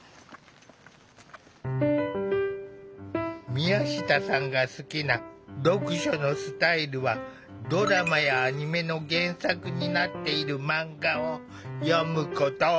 宮下さんが好きな読書のスタイルはドラマやアニメの原作になっているマンガを読むこと。